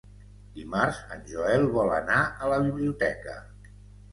Dimarts en Joel vol anar a la biblioteca.